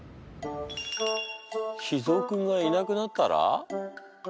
脾ぞうくんがいなくなったら？